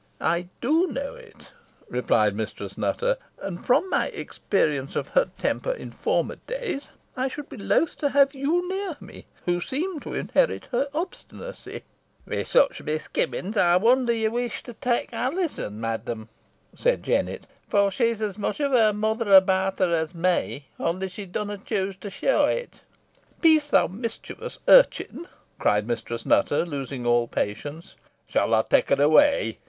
"I do know it," replied Mistress Nutter; "and, from my experience of her temper in former days, I should be loath to have you near me, who seem to inherit her obstinacy." "Wi' sich misgivings ey wonder ye wish to tak Alizon, madam," said Jennet; "fo she's os much o' her mother about her os me, onny she dunna choose to show it." "Peace, thou mischievous urchin," cried Mistress Nutter, losing all patience. "Shall I take her away?"